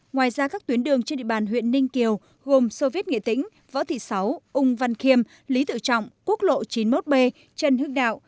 ngoài ra các tuyến đường trên địa bàn huyện ninh kiều gồm sô viết nghệ tĩnh võ thị sáu úng văn khiêm lý tự trọng quốc lộ chín mươi một b trần hước đạo